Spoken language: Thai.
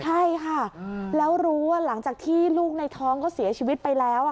ใช่ค่ะแล้วรู้ว่าหลังจากที่ลูกในท้องก็เสียชีวิตไปแล้ว